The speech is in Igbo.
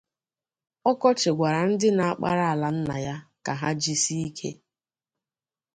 Ọkọchị gwara ndị na-akpara ala nna ya ka ha jisie ike